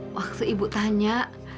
waktu ibu tanya